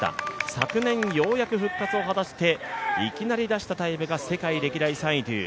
昨年、ようやく復活を果たしていきなり出したタイムが世界歴代３位という。